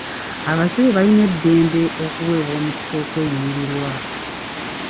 Abasibe balina eddembe okuweebwa omukisa okweyimirirwa.